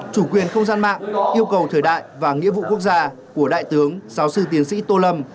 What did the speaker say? chủ quyền không gian mạng yêu cầu thời đại và nghĩa vụ quốc gia của đại tướng giáo sư tiến sĩ tô lâm